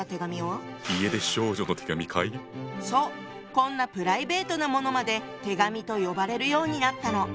こんなプライベートなものまで「手紙」と呼ばれるようになったの。